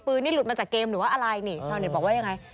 หลุดมาจากเกมหรือว่าอะไรนี่ชาวเน็ตบอกว่ายังไง